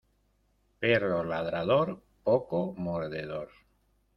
Perro ladrador, poco mordedor.